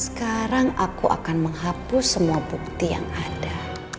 sekarang aku akan menghapus semua bukti yang ada